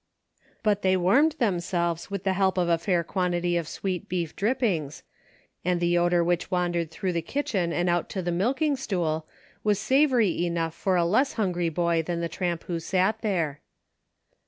. But they warmed themselves with the help of a fair quantity of sweet beef drippings, and the odor which wandered through the kitchen and out to the milking stool was savory enough for a less hungry boy than the tramp who sat there.